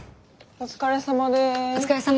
お疲れさまです。